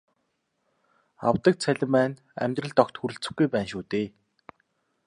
Авдаг цалин маань амьдралд огт хүрэлцэхгүй байна шүү дээ.